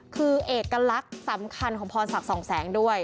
คือเอกลักษณ์สำคัญของพรศักดิ์สองแสงด้วย